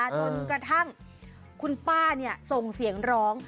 จนกระทั่งคุณป้าส่งเสียงร้อง